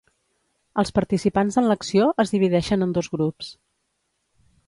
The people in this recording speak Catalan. Els participants en l'acció es divideixen en dos grups.